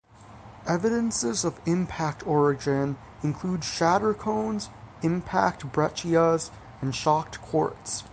Evidences of impact origin include shatter cones, impact breccias, and shocked quartz.